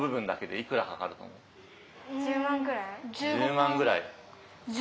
１０万ぐらい？